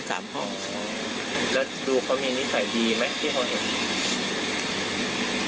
อ๋อแล้วดูเค้ามีนิสัยดีไหมที่เค้าเห็น